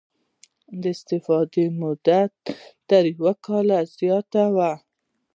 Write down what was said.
د استفادې موده یې تر یو کال زیاته وي.